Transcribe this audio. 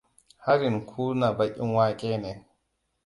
Harin ƙunae baƙin wake ne.